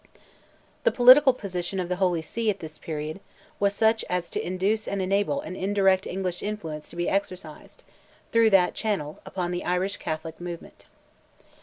The political position of the Holy See, at this period, was such as to induce and enable an indirect English influence to be exercised, through that channel, upon the Irish Catholic movement.